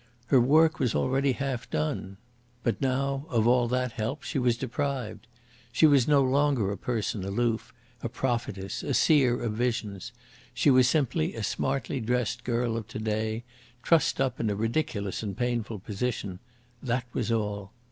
Her work was already half done. But now of all that help she was deprived. She was no longer a person aloof, a prophetess, a seer of visions; she was simply a smartly dressed girl of to day, trussed up in a ridiculous and painful position that was all.